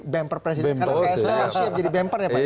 bumper presiden karena psb harus siap jadi bumper ya pak